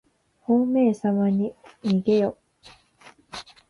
ほうめいさまおにげよ。